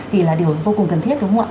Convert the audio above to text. vì là điều vô cùng cần thiết đúng không ạ